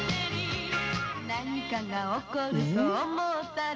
「何かが起こると思ったら」